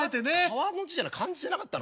川の字漢字じゃなかったの？